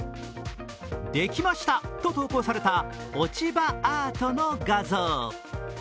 「できました」と投稿された、落ち葉アートの画像。